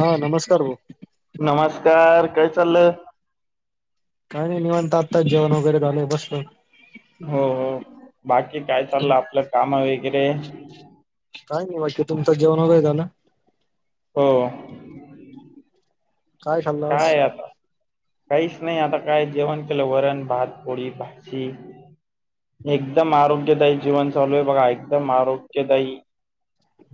हा नमस्कार भाो. नमस्कार काय चाललंय. काय नाही नि म्हणत आत्ताच जेवण वगैरे झालं बसत. हो हो बाकी काय चाललं आपलं काम वगैरे काय नाही बाकी तुमचं जेवण वगैय ना. हो. काय खाल्लं आज? काय आता काहीच नाही आता काय जेवण केलं वरण भात पोळी भाजी एकदम आरोग्यदायी जीवन चालू आहे बघा एकदम आरोग्यदायी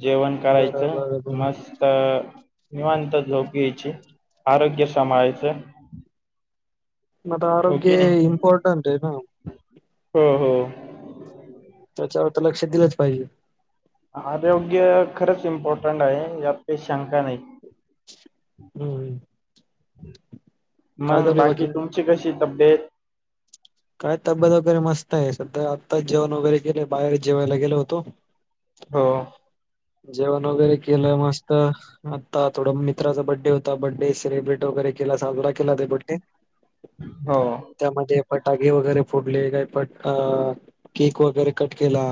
जेवण बरं करायचं बरं बरं मस्त निवांत झोप यायची. आरोग्य समा आहेचे. मग की आरोग्य नाही इंपारटंट आहे ना. हो हो. त्याच्यावर तर लक्ष दिलंच पाहिजे. आरोग्य खरंच इम्पॉर्टंट आहे यात का शंका नाही. हम्म काय मग झालंय बाकी तुम कशी कशी तबडे काय तब्येत वगैरे मस्त आहे सध्या आत्ता जेवण वगैरे गेले बाहेर जेवायला गेल होतो. हो. जेवण वगैरे केलं मस्त. आता थोडा मित्राचा बड्डे होता बर्थडे सेलिब्रेट वगैरे केला साजरा केला ते बडडे हो. त्यामध्ये पटाके वगैरे फोडले काही पट केक वगैरे कट केला.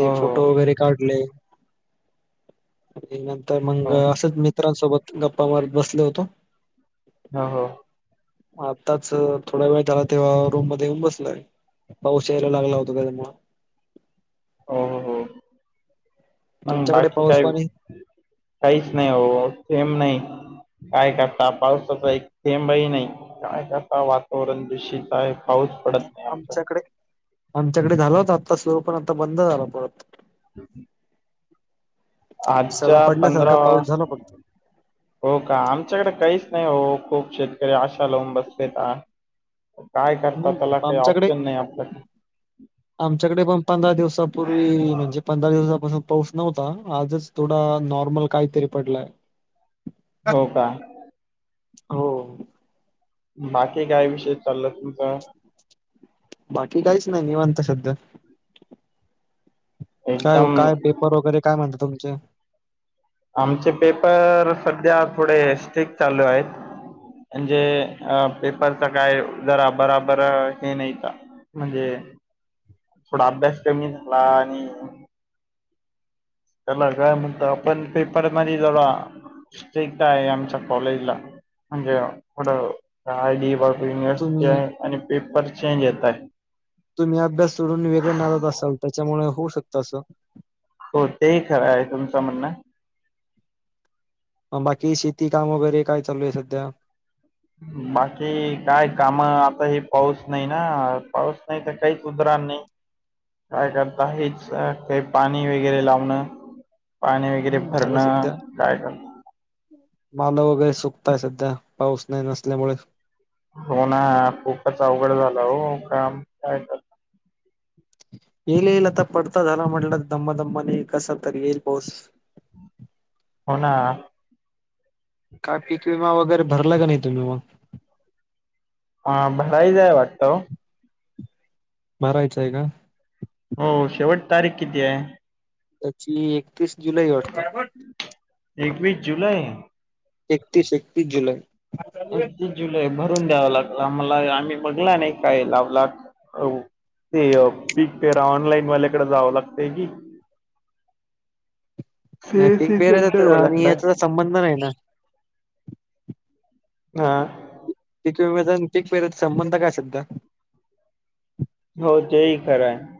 हो हो फोटो वगैरे काढले. आणि नंतर मंग हो असंच मित्रांसोबत गप्पावर बसल होतो. हो हो. आत्ताच थोडा वेळ ला तेव्हा रूम मध्ये येऊन बसलाय पाऊस यायला लागला होता त्याच्यामु हो हो हो मग तुमच्याकडे बाकी पाऊस काय? पाणी काहीच नाही हो सेम नाही. काय करता पावसाचा एक थेंबही नाही काय करता वातावरण दूषित आहे. पाऊस पडत नाही आमचा आमच्याकडे आमच्याकडे झाल होत आत्ता स्लो पण आता बंद झाला परत ह. सडा आजच्या पंधरा पडल्यासारखा पाऊस झाला फक्त हो का आमच्याकडे काहीच नाही हो खूप शेतकरी आशा लावून बसले का? काय करतात त्याला हम्म काही आमच्याकडे ऑप्शन नाही आपल्याडे आमच्याकडे पण पंधरा दिवसापूर्वी म्हणजे पंधरा दिवसापासून पाऊस नव्हता आजच. थोडा नॉर्मल काहीतरी पडलंय. हो? हो बाकी काय विषय चाललय तुमचा बाकी काहीच नाही निवांत सध्या काय ओ एकदम काय पेपर वगैरे काय म्हणत तुमचे आमचे पेपर सध्या थोडे स्टिक्ट चालू आहेत म्हणजे अ पेपरच काय जरा बराबर हे नाही का म्हणजे थोडा अभ्यास कमीच नाआणि त्याला काय म्हणतो आपण पेपर मरी जला सिट्रिक आहे आमच्या कॉलेज ला म्हणजे पुढं आयडी वग युनिवर्सिटी तुम्ही आहे आणि पेपर चेंज येत आहे, तुम्ही अभ्यास सोडून वेगळ्या नादात असाल त्याच्यामुळे होऊ शकत असं, हो तेही खरं आहे तुमचं म्हणणं, बाकी शेती काम वगैरे काय चालू आहे सध्या? बाकी काय काम आता हे पाऊस नाही ना पाऊस नाही तर काही सुतरानं नाही, काय करता हेच काही पाणी वगैरे लावणं पाणी वगैरे हम्म आता भरणं काय करणा मालं वगैरे सुकतय सध्या पाऊस नाही नसल्यामुळे हो ना खूपच अवघड झालं हो काम काय तर येईल येईल आता पडता झाला म्हटलं दमबा दमबा नाही कसा तरी येईल पाऊस हो ना का पीक विमा वगैरे भरला काय नाही तुम्ही मग? हा भराईचा आहे वाटतं ओ भरायचं आहे का हो शेवट तारीख किती आहे? त्याची एकतीस जुलै आहे वाटते एकवीस जुलैय एकतीस एकतीस जुलै, एकतीस जुलै भरून द्यावं लागला आमला आम्ही बघला नाही काय लावला‍ ते पीक पेरा ऑनलाईन वाल्याकडे जावं लागतय की नाही पिक सीएससी सेंटर पेरायचं आणि वाल्याकडे याचा संबंध नाही ना हा कितव वेधून पिक पेराच संबंध काय सद्ध्या हो तेही खरं आहे,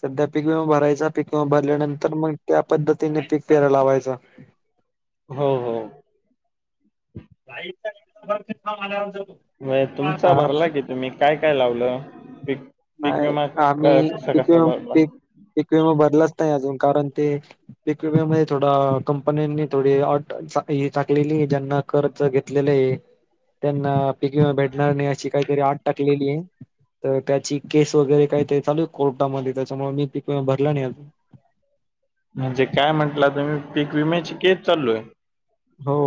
सध्या पिक विमा भरायचा पिक विमा भरल्यानंतर मग त्या पद्धतीने पिक पेरा लावायचा हो हो गाईचा काम आलया बघं तो [unintelligible] होय तुमचा भरला की तुम्ही काय काय लावलंय पिक नाही आम्ही पिक पीकविमा भरलाच नाही अजून कारण ते पिक विमामध्ये थोडं कंपन्यांनी थोडी अट टाकलेली ज्यांना कर्ज घेतलेले आहे त्यांना पिकवीमा भेटणार नाही अशी काहीतरी आठ टाकलेली आहे तर त्याची केस वगैरे काही तरी चालू आहे कोर्टामध्ये त्याच्यामुळे मी पिक विमा भरला नाही अजून, म्हणजे काय म्हंटलं तुम्ही पीक विम्याची केस चालू आहे? हो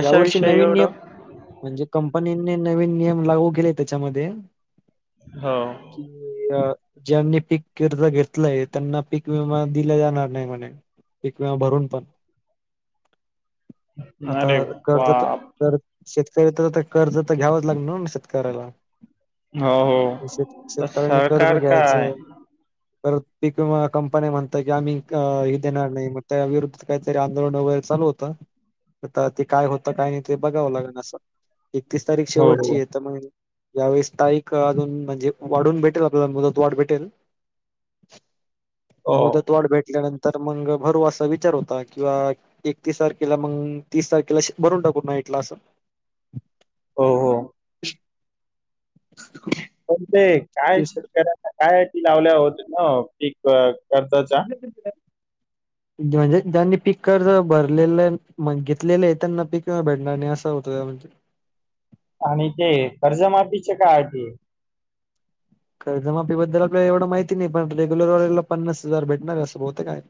यावर्षी नवीन एवढं नियम म्हणजे कंपनीनी नवीन नियम लागू केले त्याच्यामध्ये हो कि [unintelligible] ज्यांनी पीक कर्ज घेतलाय त्यांना पीक विमा दिला जाणार नाही म्हणे पिक विमा भरून पण आता अरे कर्ज तर बाप कर्ज शेतकरी तर कर्ज तर घ्यावाच लागणार ना शेतकऱ्याला हो हो शेत तर शेतकऱ्याने सरकार काय तर पिक विमा कंपन्या म्हणत्य की आम्ही हे देणार नाही मग त्या विरुद्ध काहीतरी आंदोलन वगैरे चालू होतं? आता ते काय होतं काय नाही ते बघावं लांगन असं एकतीस तारीख हो शेवटची हो आहे तर मग ज्या वेेळेस तारीख अजून म्हणजे वाढून भेटेल आपल्याला मुदत वाढ भेटेल, [unintelligible] हो मुदतवाढ भेटल्यानंतर तर मग भरू असा विचार होता किंवा एकतीस तारखेला मग. तीस तारखेला भरून टाकून नाहीटला असं. हो हो. अ. पण ते काय शेतकऱ्यांना कायी लावल्या होत न पीक कर्ताचा. [inaudible] म्हणजे ज्यांनी पीक कर्ज भरलेलं आहे घेतलेलं आहे त्यांना पिक क भेडणार नाही असं होत म्हणजे. आणि ते कर्जमातीचे काय अटी आहे? ख जमाीबद्दल आपल्याला एवढं माहिती नाही पण रेग्युलरवालेलान्स हजार भेटणार असं बहतं काय.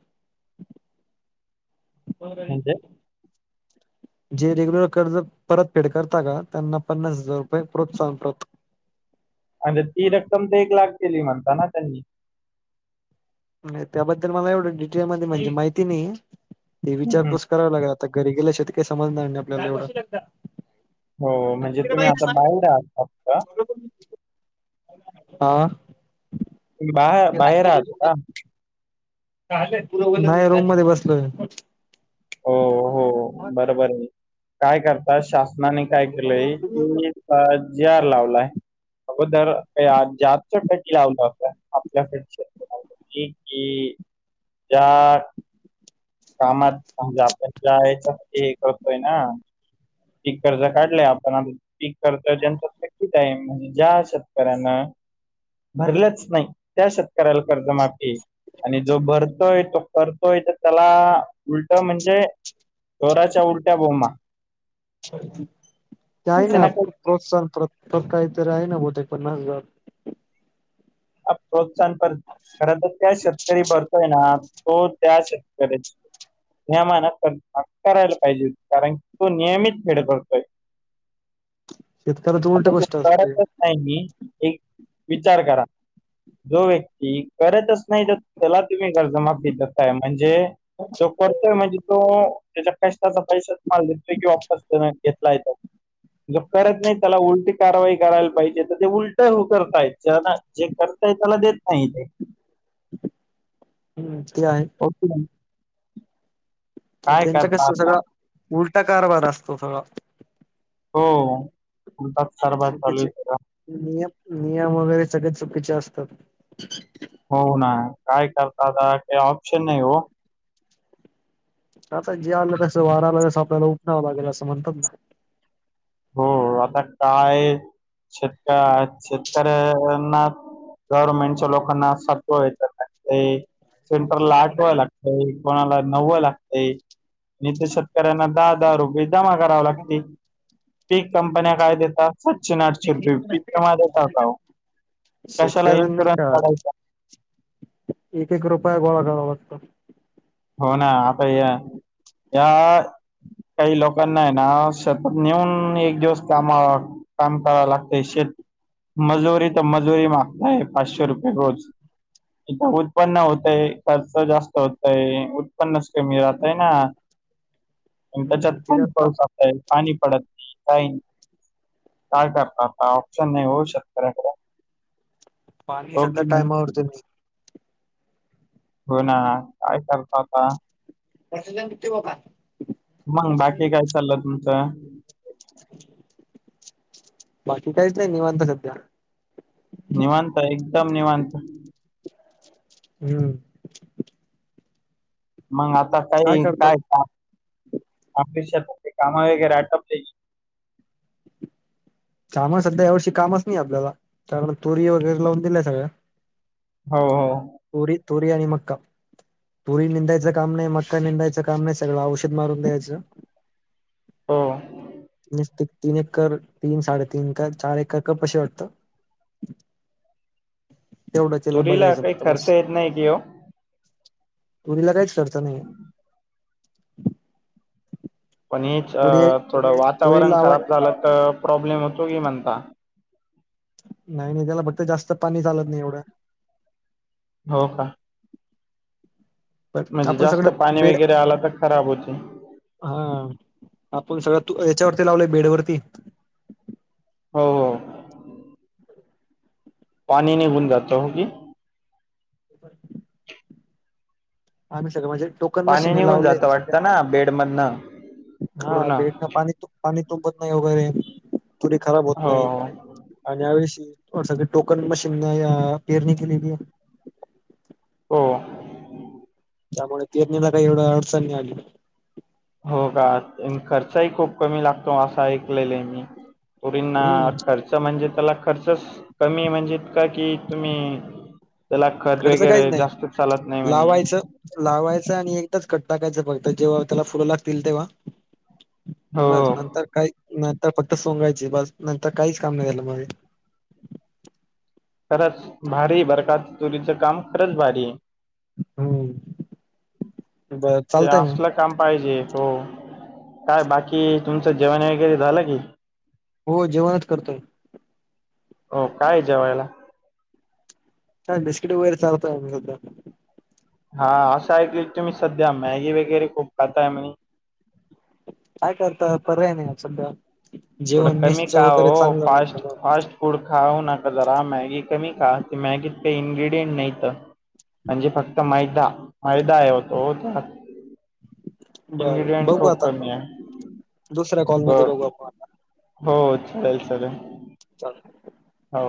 ब म्हणजे का. जे रेग्युलर कर्ज परत फेड करता का त्यांना पन्नास हजार रुपये प्रोत्साहन. आणि ती रक्कम ते एक लाख केली म्हणता ना त्यांनी. नाही त्याबद्दल मला एवढं डिटेल मध्ये म्हणजे माहिती नाही ते हम्म, हम्म. विचारपू कराव लागेल आता घरी गेल्या शती काही समजणार नाही आपल्याला एवढं. हो म्हणजे तुम्ही आता बाहेर आहात का? मला पण. हा. बा बाहेर आह का? नाही रूम मध्ये बसलोय. हो हो बरोबर आहे काय करतात शासनाने काय केलंय की अ जर लावलाय. अगदर काही जास्त पट लावलं होता आपल्या. की ज्या कामा. आपल्यालायच हे करतोय ना? पीक कर्ज काढलंय आपण पीक कर्त त्यांचकीच आहे म्हणजे ज्या असत. ना भरलंच नाही. त्या शेतकऱ्याला कर्जमाफी आणि जो भरतोय तो करतोय तर त्याला उलट म्हणजे चोराच्या उलट्या बोंबा. ते आहे ना प्रोत्साहन काहीतरी आहे ना बते पन्नास हार. प्रोत्साहन प खर तरर त्या शेतकरी बरतोय ना तो त्या शेतकऱ्या. यामाना करायला पाहिजे कारण तो नियमित खडे पडतोय. शेतकऱ्याच उलट आता तू गोष्ट असते. करतच नाही मी एक विचार करा. जो व्यक्ती करतच नाही त्याला तुम्ही कर्जमाफी ज काय म्हणजे हो. तो करतोय म्हणजे तो त्याच्या कष्टाचा पैसाच माल देतोय कि वापस घेतला येतो. करत नाही त्याला उलटी कारवाई करायला पाहिजे तर ते उलट करतायत. जना जे करतय त्याला देत नाही ते. ते आहे. काय त्यांचा करता कसं आता? सगळा उलटा कारभार असतो सगळा होणताच सरवा चालू चुकीचे आहे. नियम नियम वगैरे सगळे चुकीचे असतात. हो ना काय करत आता काही ऑप्शन नाही हो. [inaudible] आता जे आलं तस वारालास आपल्याला उपडवं लागेल असं म्हणतात ना. हो आता काय शेतका. तर ना गव्हर्मेंटच्या लोकांना सत्व येतात का. सेंटरल ला आठवायला. कोणाला नव्व लागते आणि ते शेतकऱ्यांना दहा दहा रुपये. जमा कराव लागते पीक कंपन्या काय देतात. सचिन आठशिर्पी पिक माझ कशाला शेतकऱ्यांना इन्शुरन्स का काढायचा. एक एक रुपयया गोळा गाळा लागतो. हो ना आता या या काही लोक. नाही ना सतत नेऊन एक दिवस कामा काम करावं लागते शेत. मजुरी तर मजुरी मागताय पाचशे रुपये रोज इथ उत्पन्न होतय खर्च जास्त होत. उत्पन्नस कमी राहतय ना हम्म त्याच्यात तिथे आता पासा पाणी पडत काही नाही. काय काता ऑप्शन नाही होऊ शेतकऱ्याकडे पाणी हो सध्या की नाही टायमावरते म हो ना काय चातो आता- प्रसेिजन किती बो का? मंग बाकी काय चाललं तुमचं? बाकी काहीच नाही निवांत सध्या निवांत एकदम निवांत. हम्म. मग आता काही करता काय मग? काषत काम वगैरे आटप म सध्या एवर्षी कामच नाही आपल्याला कारण तोरी वगैरे लावून दिल्या आहे सगळ्या. हो हो. तरी तुरी अ आणि मक तरी निंदायचं काम नाही मक्का निेंदायचं काम नाही सगळं औषध मारून द्यायचं. हो. न तीन एककर तीन साडेतीीन कर चार एकर कर कशी वाटतं. तेवढं त्याला तुरीला बघायचं काही फक्त खर्च बस येत नाही कि हो. तुरीला काहीच अर्थ नाही. पण हेच तुरी थोडं तुरी वातावरण लावाय खराब झालं तर प्रॉब्लेम होतो की म्हणता. नाही नाही त्याला फक्त जास्त पाणी चालत नाही एवढं. हो का? पण म्हणजे आपण जास्त सगळं पाणी बेड वगैरे आला तर खराब होते. हा आपण सगळ तू याच्यावरती लावलेय बेड वरती हो. पाणी नाही बुन जा च हो की बर. आम् सगळ म्हणेो. कोकन पाणी मशीने निघून लावले जातं सगळ्या वाटतं ना बेडमधनं हा पूर्ण भेड पाणी त. पाणी तुंबत नाही वगैरे थोडी खराब होत हो नाही. हो आणि यावेशी सग टोकन मशीन पेरणी केलेली आहे. हो. त्यामुळे पेरणीला काही एवढ अडचणी आली. हो का खर्चही खूप कमी लागतो असा ऐकलेलं आहे मी पुढंना हम्म खर्च म्हणजे त्याला खर्च कमी म्हणजे का कि तुम्ही? त्याला खत खर्च काहीच वगैरे नाही जास्तच चालत नाही म्हणे. लावायचं लावायचं आणि एकदाच कट टाकायचं फक्त जेव्हा त्याला फुलं लागतील तेव्हा हो बस हो. नंतर काही नंतर फक्त सोंगायचे बस नंतर काहीच काम नाही झालं मझ. खरंच भारी बरखात चुरीचं काम खरंच भारी हम्म ब ते चालतय मग असलं काम पाहिजे हो काय बाकी तुमचं जेवण वगैरे झालं की हो जेवणच करतोय हो काय ज वळेला हां बिस्कीट वगैरे चालोय सुधा हा असं ऐकले तुम्ही सध्या मॅगी वगैरे खूप खाताय म्हणे काय करतात पर्याय नाहीआ सध्या थोडं जेवण कमी मेसच का वगैरे हो चांगलं फास्ट भेटलं फास्ट फूड खाऊ नका जरा मॅगी कमी खा मॅगीत काही इनग्र्रीडियंट नाहीत इथ म्हणजे फक्त मैदा मैदा हे होतो मग बर इन्ग्र्रीडियंट बघू खूप आता कमी आहे. दुसऱ्या ब कॉलमध्ये बघू आपण आता हो चालेल चालेल चा हो